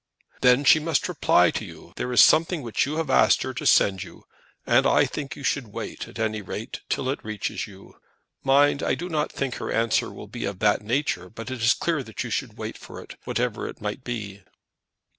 "Then she must reply to you. There is something which you have asked her to send to you; and I think you should wait, at any rate, till it reaches you here. Mind I do not think her answer will be of that nature; but it is clear that you should wait for it whatever it may be."